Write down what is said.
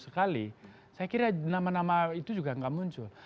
saya kira nama nama itu juga nggak muncul